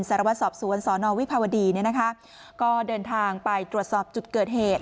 สารวสอบจุฬ์ศรทวิบพาวดีก็เดินทางไปตรวจสอบจุดเกิดเหตุ